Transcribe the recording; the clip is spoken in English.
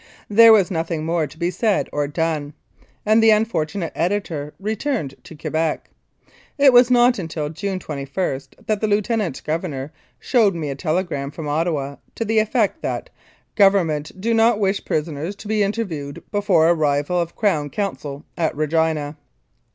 There was nothing more to be said or done, and the unfortunate editor returned to Quebec. It was not until June 21 that the Lieutenant Governor showed me a telegram from Ottawa to the effect that " Govern ment do not wish prisoners to be interviewed before arrival of Crown counsel at Regina."